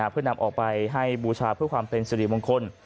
เพื่อนำออกไปให้บูชาเพื่อความเป็นสิริมงคล